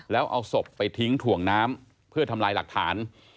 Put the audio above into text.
แล้วเอาศพไปทิ้งถ่วงน้ำเพื่อทำลายหลักฐาน